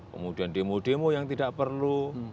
kemudian demo demo yang tidak perlu